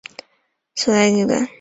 莱索蒂厄。